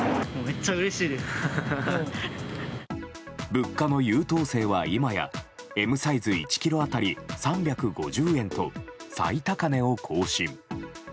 物価の優等生は今やＭサイズ１ｋｇ当たり３５０円と最高値を更新。